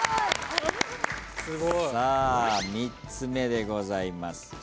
さあ３つ目でございます。